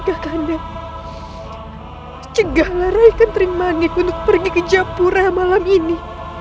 kakanda cegahlah rai kenterimanik untuk pergi ke japura malam ini